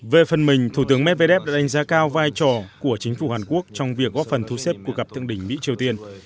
về phần mình thủ tướng medvedev đánh giá cao vai trò của chính phủ hàn quốc trong việc góp phần thu xếp cuộc gặp thượng đỉnh mỹ triều tiên